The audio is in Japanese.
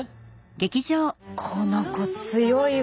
この子強いわ。